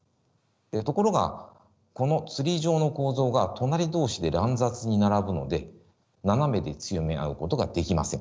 ところがこのツリー状の構造が隣同士で乱雑に並ぶので斜めで強め合うことができません。